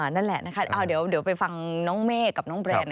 นั่นแหละนะคะเดี๋ยวไปฟังน้องเมฆกับน้องแบรนด์